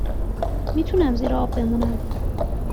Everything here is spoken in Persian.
میتونم زیر آب بمونم